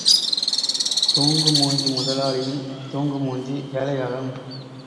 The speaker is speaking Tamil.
தூங்குமூஞ்சி முதலாளியும், தூங்குமூஞ்சி வேலையாளும்.